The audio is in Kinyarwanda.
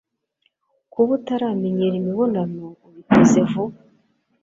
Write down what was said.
Kuba utaramenyera imibonano ubikoze vuba,